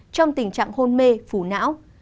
trong tình trạng hôn mê phủ não